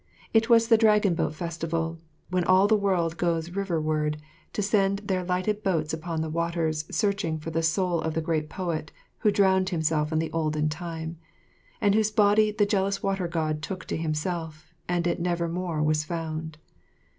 It was the Dragon Boat Festival, when all the world goes riverward to send their lighted boats upon the waters searching for the soul of the great poet who drowned himself in the olden time, and whose body the jealous Water God took to himself and it nevermore was found.